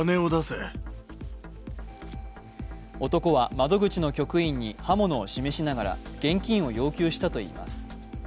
男は窓口の局員に刃物を示しながら現金を要求したといいます。